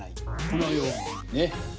このようにね。